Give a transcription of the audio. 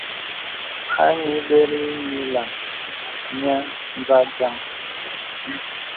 Ayi bə īī nyilaŋ nyə̄ nzâ jaŋ.